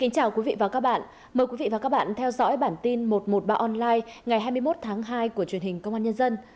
chào mừng quý vị đến với bản tin một trăm một mươi ba online ngày hai mươi một tháng hai của truyền hình công an nhân dân